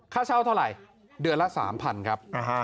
ค่าเช่าเท่าไหร่เดือนละ๓๐๐๐ครับ